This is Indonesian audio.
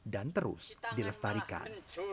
dan terus dilestarikan